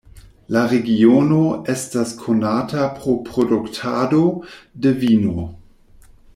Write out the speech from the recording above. La regiono estas konata pro produktado de vino.